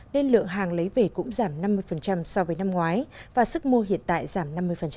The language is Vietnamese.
nên lượng hàng lấy về cũng giảm năm mươi so với năm ngoái và sức mua hiện tại giảm năm mươi